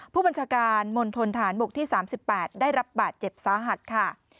ผู้บัญชาการมณฑนฐานบกที่๓๘ได้รับบาดเจ็บสาหัสค่ะ